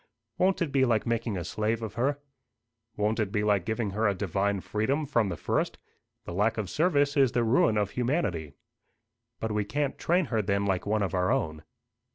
"Won't it be like making a slave of her?" "Won't it be like giving her a divine freedom from the first? The lack of service is the ruin of humanity." "But we can't train her then like one of our own."